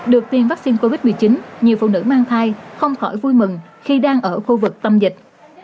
được tiêm vaccine covid một mươi chín nhiều phụ nữ mang thai không khỏi vui mừng khi đang ở khu vực tâm dịch